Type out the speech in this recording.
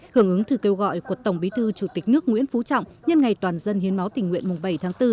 hưởng ứng thư kêu gọi của tổng bí thư chủ tịch nước nguyễn phú trọng nhân ngày toàn dân hiến máu tình nguyện mùng bảy tháng bốn